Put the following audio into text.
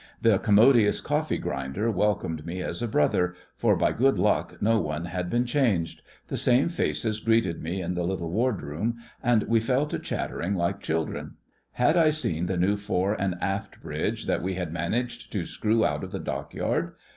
The 'commodious coffee grinder' welcomed me as a brother, for by good luck no one had been changed; the same faces greeted me in the little ward room, and we fell to chattering like children. Had I seen the new fore and aft bridge that we had managed to screw out of the Dockyard?